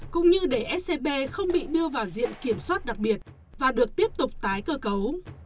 cũng như để scb không bị đưa vào diện kiểm soát đặc biệt và được tiếp tục tái cơ cấu